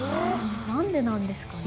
何でなんですかね？